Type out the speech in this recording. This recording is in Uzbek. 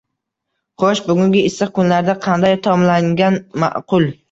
Xoʻsh, bugungi issiq kunlarda qanday taomlangan maʼqul?